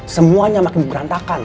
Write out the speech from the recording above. semuanya makin berantakan